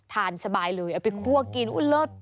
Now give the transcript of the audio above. ทานสบายเลยเอาไปคั่วกินอุ่นเลิศ